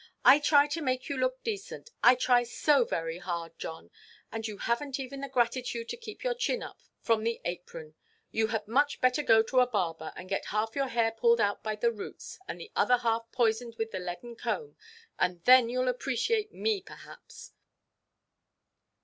I try to make you look decent: I try so very hard, John; and you havenʼt even the gratitude to keep your chin up from the apron. You had much better go to a barber, and get half your hair pulled out by the roots, and the other half poisoned with a leaden comb, and then youʼll appreciate me, perhaps."